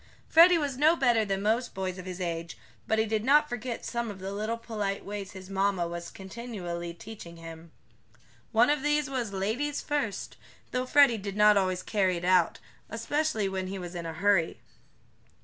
Freddie was no better than most boys of his age, but he did not forget some of the little polite ways his mamma was continually teaching him. One of these was "ladies first," though Freddie did not always carry it out, especially when he was in a hurry.